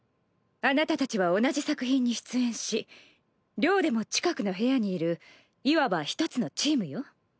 あなたたちは同じ作品に出演し寮でも近くの部屋にいるいわば１つのチームよ。